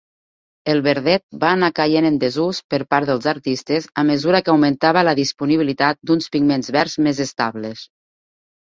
El verdet va anar caient en desús per part dels artistes a mesura que augmentava la disponibilitat d'uns pigments verds més estables.